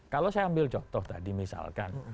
kalau saya ambil contoh tadi misalkan